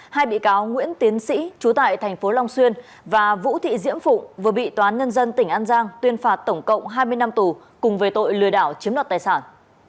hai bị cáo nguyễn tiến sĩ chú tại thành phố long xuyên và vũ thị diễm phụng vừa bị toán nhân dân tỉnh an giang tuyên phạt tổng cộng hai mươi năm tù cùng về tội lừa đảo chiếm đoạt tài sản